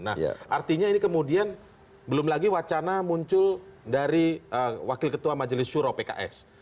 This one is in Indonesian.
nah artinya ini kemudian belum lagi wacana muncul dari wakil ketua majelis syuro pks